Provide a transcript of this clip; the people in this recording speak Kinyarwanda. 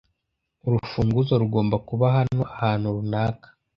Urufunguzo rugomba kuba hano ahantu runaka.